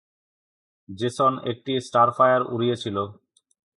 Jason একটি "Starfire" উড়িয়েছিল।